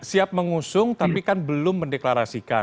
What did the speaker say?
siap mengusung tapi kan belum mendeklarasikan